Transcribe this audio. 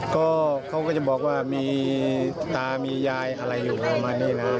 ก็เขาก็จะบอกว่ามีตามียายอะไรอยู่ประมาณนี้นะ